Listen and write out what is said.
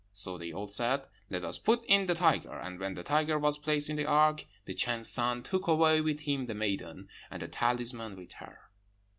So they all said, 'Let us put in the tiger.' And when the tiger was placed in the ark, the Chan's son took away with him the maiden, and the talisman with her.